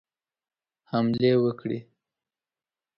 حملې وکړي.